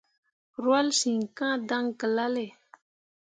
Rwahlle siŋ ka dan gelale.